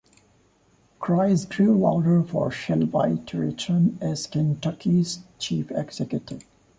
Cries grew louder for Shelby to return as Kentucky's chief executive.